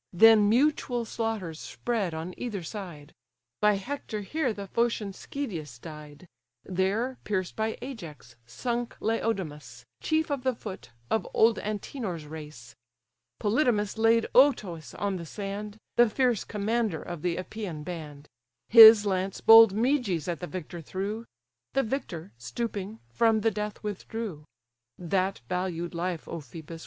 Then mutual slaughters spread on either side; By Hector here the Phocian Schedius died; There, pierced by Ajax, sunk Laodamas, Chief of the foot, of old Antenor's race. Polydamas laid Otus on the sand, The fierce commander of the Epeian band. His lance bold Meges at the victor threw; The victor, stooping, from the death withdrew; (That valued life, O Phœbus!